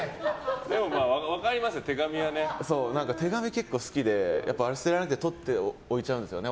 手紙が結構好きで捨てられないから取っておいちゃうんですよね。